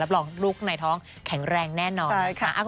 รับรองลูกในท้องแข็งแรงแน่นอน